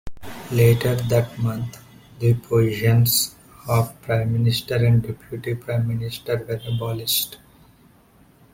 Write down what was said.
Later that month, the positions of Prime Minister and Deputy Prime Minister were abolished.